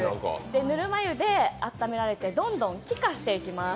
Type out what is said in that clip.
ぬるま湯で温められて、どんどん気化していきます。